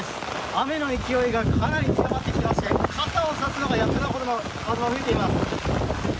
雨の勢いがかなり強まってきていまして傘をさすのがやっとのほどの風が吹いています。